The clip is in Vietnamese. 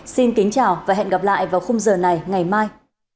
xin kính chào và hẹn gặp lại vào khung giờ này ngày mai